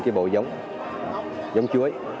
cái bộ giống chuối